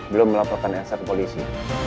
belum melaporkan sk ke polisi